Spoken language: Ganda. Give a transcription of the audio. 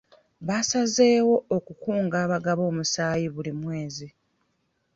Baasazeewo okukunga abagaba omusaayi buli mwezi.